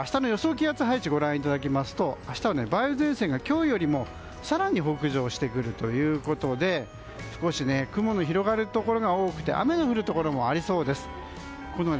気圧配置をご覧いただきますと明日は梅雨前線が今日よりも更に北上するということで少し雲の広がるところが多くて雨が降るところもありそうです。